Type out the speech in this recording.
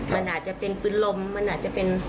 มันอาจจะเป็นปืนลมมันอาจจะเป็น